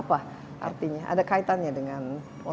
apa artinya ada kaitannya dengan